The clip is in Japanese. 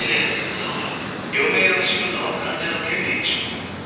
余命を知るのは患者の権利でしょう。